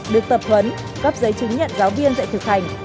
được tập huấn cấp giấy chứng nhận giáo viên dạy thực hành